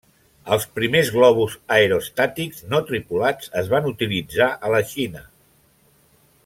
Els primers globus aerostàtics no tripulats es van utilitzar a la Xina.